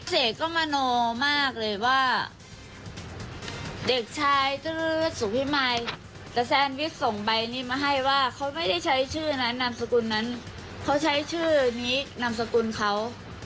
เสกก็มโนมากเลยว่าเด็กชายตื้อสุพิมายแต่แซนวิชส่งใบนี้มาให้ว่าเขาไม่ได้ใช้ชื่อนั้นนามสกุลนั้นเขาใช้ชื่อนี้นามสกุลเขา